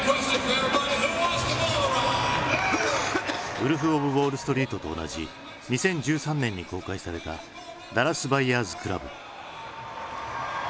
「ウルフ・オブ・ウォールストリート」と同じ２０１３年に公開された「ダラス・バイヤーズクラブ」。